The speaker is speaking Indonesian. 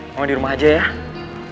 mau di rumah aja ya